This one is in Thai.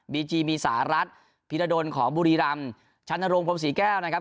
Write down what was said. ีจีมีสหรัฐพีรดลของบุรีรำชันนโรงพรมศรีแก้วนะครับ